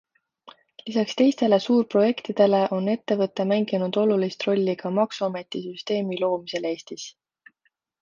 Lisaks teistele suurprojektidele on ettevõte mänginud olulist rolli ka maksuameti süsteemi loomisel Eestis.